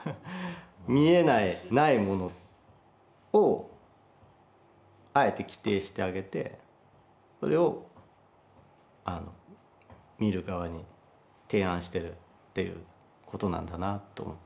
見えないないものをあえて規定してあげてそれをあの見る側に提案してるってことなんだなと思ったんですよね。